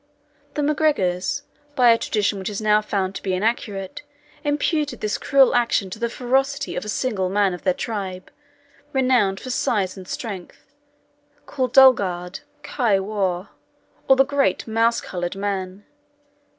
The MacGregors, by a tradition which is now found to be inaccurate, impute this cruel action to the ferocity of a single man of their tribe, renowned for size and strength, called Dugald, Ciar Mhor, or the great Mouse coloured Man.